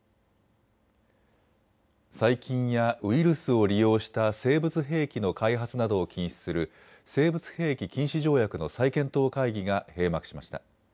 細菌やウイルスを利用した生物兵器の開発などを禁止する生物兵器禁止条約の再検討会議が閉幕しました。